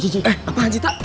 eh apalahan citra